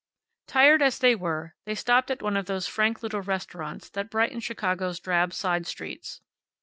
Tired as they were, they stopped at one of those frank little restaurants that brighten Chicago's drab side streets.